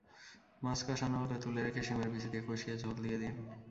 মাছ কষানো হলে তুলে রেখে শিমের বিচি দিয়ে কষিয়ে ঝোল দিয়ে দিন।